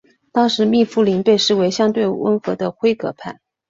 当时密夫林被视为相对温和的辉格派。